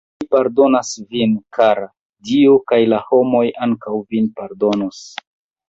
Mi pardonas vin, kara; Dio kaj la homoj ankaŭ vin pardonos.